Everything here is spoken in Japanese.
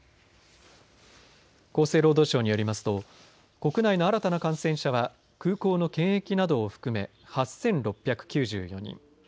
厚生労働省によりますと国内の新たな感染者は空港の検疫などを含め８６９４人。